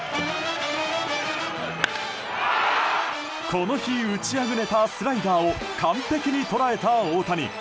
この日、打ちあぐねたスライダーを完璧に捉えた大谷。